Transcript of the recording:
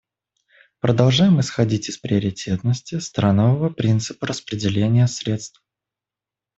Продолжаем исходить из приоритетности странового принципа распределения средств.